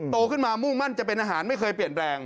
โตขึ้นมามุ่งมั่นจะเป็นอาหารไม่เคยเปลี่ยนแปลง